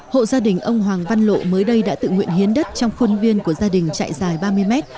hộ gia đình ông hoàng văn lộ mới đây đã tự nguyện hiến đất trong khuôn viên của gia đình chạy dài ba mươi mét